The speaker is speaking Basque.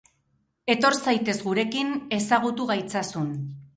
Etor zaitez gurekin, ezagutu gaitzazun.